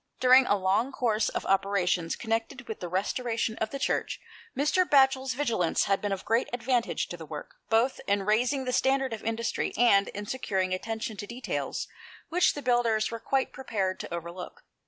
During a long course of operations connected with the restoration of the Church, Mr. Batchel's vigilance had been of great advantage to the work, both in raising the standard of industry and in securing attention to details which the builders were quite prepared to overlook.